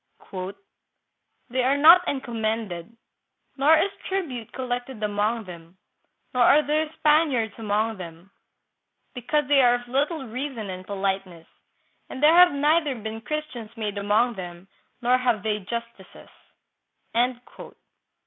" They are not encomended, nor is tribute collected among them, nor are there Spaniards among them, because they are of little reason and politeness, and there have neither been Christians made among them nor have they justices."